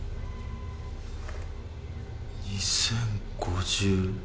２０５０。